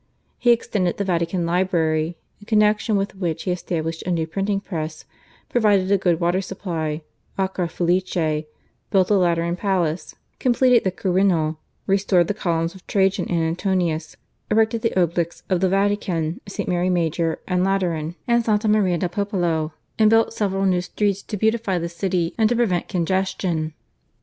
He extended the Vatican Library, in connexion with which he established a new printing press, provided a good water supply (/Acqua Felice/), built the Lateran Palace, completed the Quirinal, restored the columns of Trajan and Antoninus, erected the obelisks of the Vatican, St. Mary Major, the Lateran and Santa Maria del Popolo, and built several new streets to beautify the city and to prevent congestion.